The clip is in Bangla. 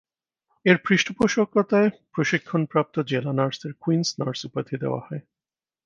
এর পৃষ্ঠপোষকতায় প্রশিক্ষণপ্রাপ্ত জেলা নার্সদের কুইনস নার্স উপাধি দেওয়া হয়।